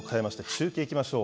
中継いきましょう。